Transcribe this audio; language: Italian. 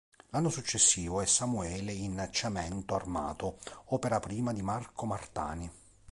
L'anno successivo è "Samuele" in "Cemento armato", opera prima di Marco Martani.